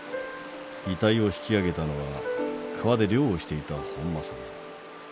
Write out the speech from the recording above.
遺体を引き上げたのは川で漁をしていた本間さん。